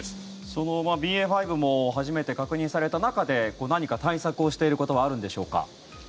そのＢＡ．５も初めて確認された中で何か対策をしていることはあるんでしょうか。